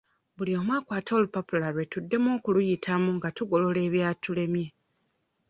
Buli omu akwate olupapula lwe tuddemu okuluyitamu nga tugolola ebyatulemye.